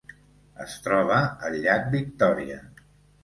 Es troba al llac Victòria.